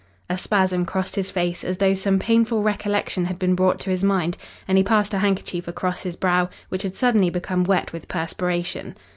A spasm crossed his face as though some painful recollection had been brought to his mind, and he passed a handkerchief across his brow, which had suddenly become wet with perspiration.